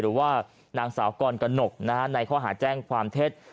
หรือว่านางสาวกรกนกในข้อหาแจ้งความเท็จ